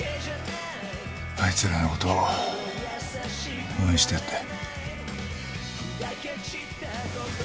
あいつらの事応援してやって。